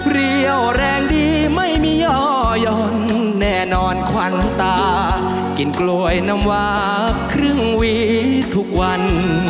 เรี่ยวแรงดีไม่มีย่อยนแน่นอนขวัญตากินกล้วยน้ำวาครึ่งหวีทุกวัน